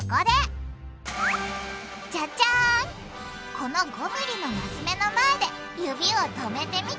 この５ｍｍのマス目の前で指を止めてみて！